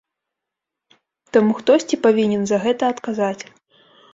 Таму хтосьці павінен за гэта адказаць.